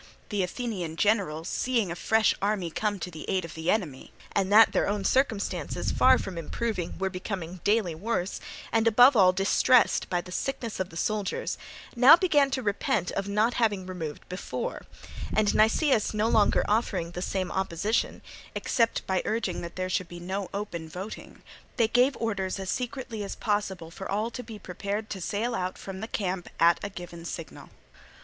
The Athenian generals seeing a fresh army come to the aid of the enemy, and that their own circumstances, far from improving, were becoming daily worse, and above all distressed by the sickness of the soldiers, now began to repent of not having removed before; and Nicias no longer offering the same opposition, except by urging that there should be no open voting, they gave orders as secretly as possible for all to be prepared to sail out from the camp at a given signal.